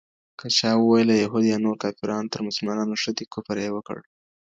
که چا وويل يهود يا نور کافران تر مسلمانانو ښه دي، کفر ئې وکړ